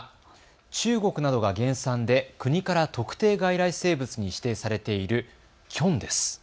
中国などが原産で国から特定外来生物に指定されているキョンです。